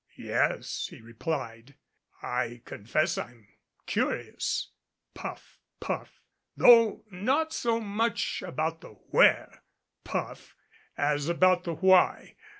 "Yes," he replied, "I confess I'm curious" puff, 40 BREAD AND SALT puff "though not so much about the where" puff "as about the why.